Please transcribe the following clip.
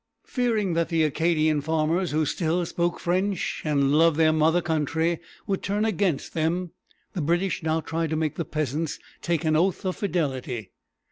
Fearing that the Acadian farmers, who still spoke French and loved their mother country, would turn against them, the British now tried to make the peasants take an oath of fidelity.